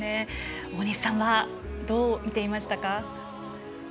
大西さんはどう見ていましたか。